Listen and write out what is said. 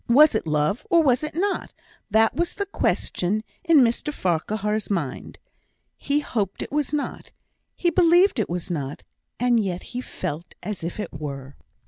Was it love, or was it not? that was the question in Mr Farquhar's mind. He hoped it was not; he believed it was not; and yet he felt as if it were.